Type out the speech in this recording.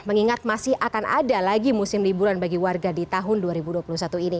mengingat masih akan ada lagi musim liburan bagi warga di tahun dua ribu dua puluh satu ini